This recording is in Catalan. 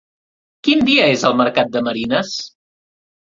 Quin dia és el mercat de Marines?